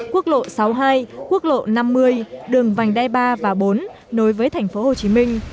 quốc lộ sáu mươi hai quốc lộ năm mươi đường vành đai ba và bốn nối với thành phố hồ chí minh